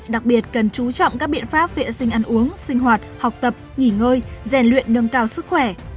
đặc biệt cần chú trọng các biện pháp vệ sinh ăn uống sinh hoạt học tập nghỉ ngơi rèn luyện nâng cao sức khỏe